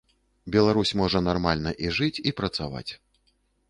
Беларусь можа нармальна і жыць, і працаваць.